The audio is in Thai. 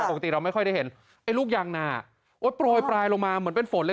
ปกติเราไม่ค่อยได้เห็นไอ้ลูกยางนาโปรยปลายลงมาเหมือนเป็นฝนเลย